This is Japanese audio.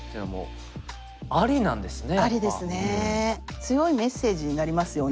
強いメッセージになりますよね。